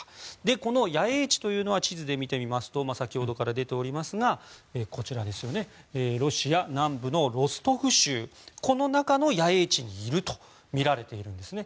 この野営地というのは地図で見てみますと先ほどから出ておりますがロシア南部のロストフ州のこの中の野営地にいるとみられているんですね。